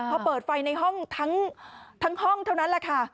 พอเปิดไฟในห้องทั้งห้องเท่านั้นแหละค่ะ